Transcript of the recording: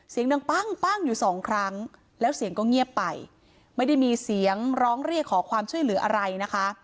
เสียงดังปั้งปั้งอยู่สองครั้งแล้วเสียงก็เงียบไปไม่ได้มีเสียงร้องเรียกขอความช่วยเหลืออะไรนะคะ